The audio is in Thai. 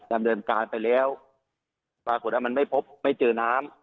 ดำเนินการไปแล้วปรากฏว่ามันไม่พบไม่เจอน้ำ